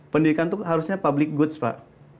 pendidikan itu harusnya public goods pak